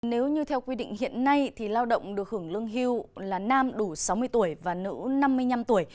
nếu như theo quy định hiện nay thì lao động được hưởng lương hưu là nam đủ sáu mươi tuổi và nữ năm mươi năm tuổi